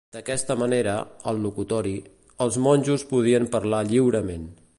D'aquesta manera, al locutori, els monjos podien parlar lliurement.